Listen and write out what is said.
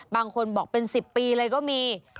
บางคนบอกเป็น๑๐ปีเลยก็มี